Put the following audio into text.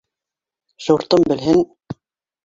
Шуртым белһен.